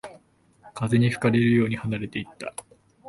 風に吹かれるように離れていった